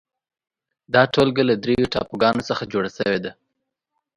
دا ټولګه له درېو ټاپوګانو څخه جوړه شوې ده.